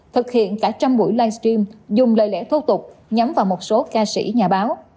thực hiện cả trăm buổi live stream dùng lệ lẽ thô tục nhắm vào một số ca sĩ nhà báo